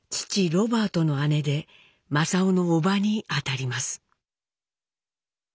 ロバートの姉で正雄の伯母にあたります。